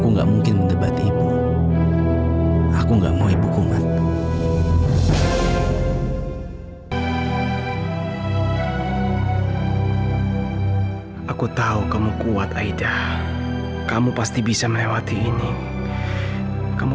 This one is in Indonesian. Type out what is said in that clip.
sampai jumpa di video selanjutnya